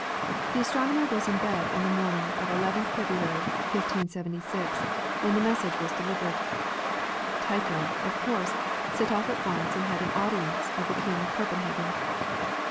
The astronomer was in bed on the morning of 11th February, 1576, when the message was delivered. Tycho, of course, set off at once and had an audience of the king at Copenhagen.